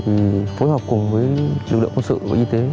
thì phối hợp cùng với lực lượng quân sự và y tế